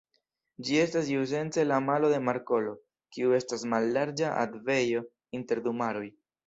Ĝi estas iusence la malo de markolo, kiu estas mallarĝa akvejo inter du maroj.